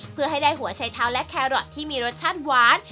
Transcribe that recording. เพื่อให้ได้หัวชัยเท้าและแครอทที่มีรสชาติหวาน